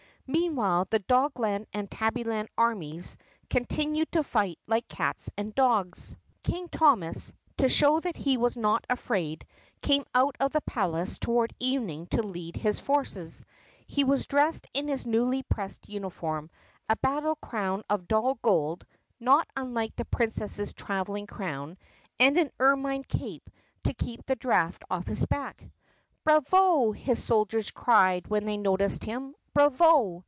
Meanwhile the Dogland and Tabbyland armies continued to fight like cats and dogs. Field Hospital in the Dogland Camp THE PUSSYCAT PRINCESS 142 King Thomas, to show that he was not afraid, came out of the palace toward evening to lead his forces. He was dressed in his newly pressed uniform, a battle crown of dull gold (not unlike the Princess's traveling crown), and an ermine cape to keep the draft off his back. "Bravo!" his soldiers cried when they noticed him. "Bravo!"